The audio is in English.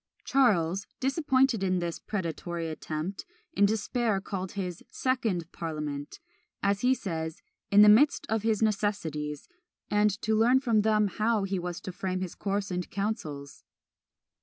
Charles, disappointed in this predatory attempt, in despair called his second parliament as he says, "in the midst of his necessities and to learn from them how he was to frame his course and counsels."